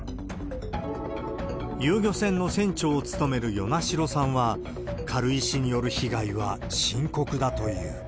遊漁船の船長を務める与那城さんは、軽石による被害は深刻だという。